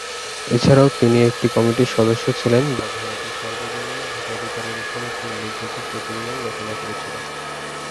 এছাড়াও তিনি একটি কমিটির সদস্য ছিলেন যা ভারতে সার্বজনীন ভোটাধিকারের উপর একটি উল্লেখযোগ্য প্রতিবেদন রচনা করেছিল।